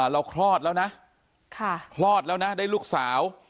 คลอดแล้วนะคลอดแล้วนะได้ลูกสาว